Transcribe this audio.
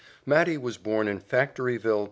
Matty was born in Factoryville, Pa.